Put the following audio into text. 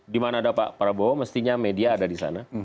di mana ada pak prabowo mestinya media ada di sana